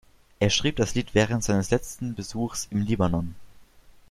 Er schrieb das Lied während seines letzten Besuchs im Libanon.